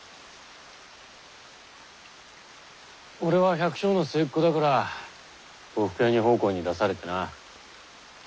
俺は百姓の末っ子だから呉服屋に奉公に出されてな。